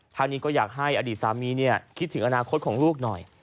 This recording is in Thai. ทางนี้ก็อยากให้อดีตสามีคิดถึงอนาคตของลูกหน่อย